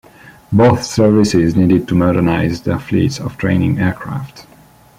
Both services needed to modernize their fleets of training aircraft.